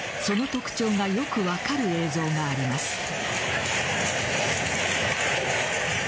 その特徴がよく分かる映像があります。